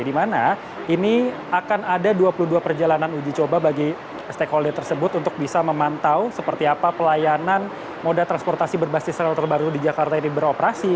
di mana ini akan ada dua puluh dua perjalanan uji coba bagi stakeholder tersebut untuk bisa memantau seperti apa pelayanan moda transportasi berbasis rel terbaru di jakarta ini beroperasi